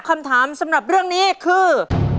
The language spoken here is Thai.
คำถามสำหรับเรื่องนี้คือ